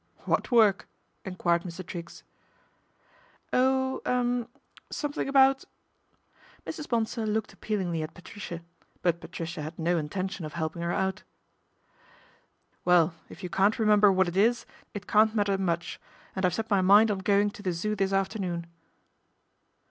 ' What work ?" enquired Mr. Triggs. " Oh er something about " Mrs. Bonsor looked appealingly at Patricia ; but Patricia had no intention of helping her out. ' Well ! if you can't remember what it is, it can't matter much, and I've set my mind on going to the Zoo this afternoon."